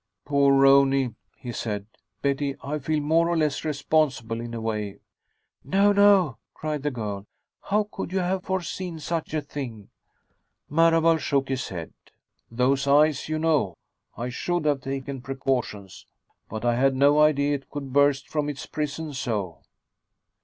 "Poor Rooney," he said. "Betty, I feel more or less responsible, in a way." "No, no," cried the girl. "How could you have foreseen such a thing?" Marable shook his head. "Those eyes, you know. I should have taken precautions. But I had no idea it could burst from its prison so."